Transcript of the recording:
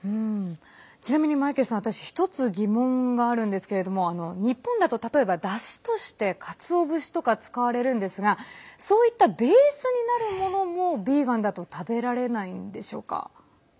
ちなみにマイケルさん私、１つ疑問があるんですけれど日本だと例えばだしとして、かつお節とかが使われるんですがそういったベースになるものもビーガンだと食べられないんでしょうか？